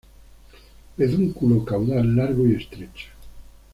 Pedúnculo caudal largo y estrecho.